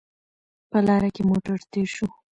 په لاره کې موټر تېر شو